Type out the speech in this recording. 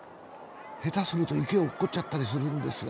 下手すると池へ落っこちちゃったりするんだ。